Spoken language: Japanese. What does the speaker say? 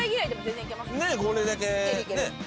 これだけねっ。